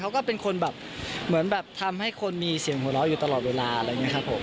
เขาก็เป็นคนแบบเหมือนแบบทำให้คนมีเสียงหัวเราะอยู่ตลอดเวลาอะไรอย่างนี้ครับผม